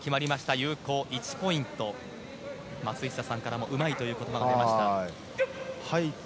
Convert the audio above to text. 有効、１ポイント松久さんからもうまいという言葉が出ました。